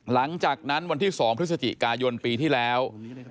หลังจากนั้นวันที่๒พฤศจิกายนปีที่แล้ว